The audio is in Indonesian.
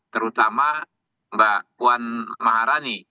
terutama mbak puan maharani